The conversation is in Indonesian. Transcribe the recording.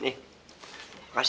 antoninya gak ada tuh